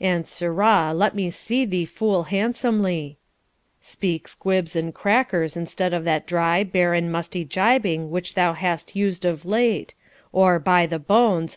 And, sirrah, let me see thee fool handsomely speak squibs and crackers, instead of that dry, barren, musty gibing which thou hast used of late; or, by the bones!